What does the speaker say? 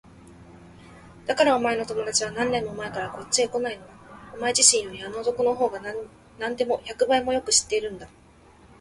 だからお前の友だちは何年も前からこっちへこないのだ。お前自身よりあの男のほうがなんでも百倍もよく知っているんだ。